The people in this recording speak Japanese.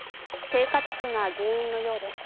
生活苦が原因のようです。